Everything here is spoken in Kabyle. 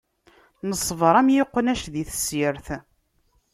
Neṣber am iqnac di tessirt.